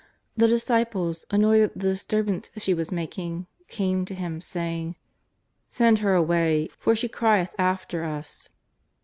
The disciples, annoyed at the disturbance she was making, came to Him, saying: " Send her away, for she crieth after us."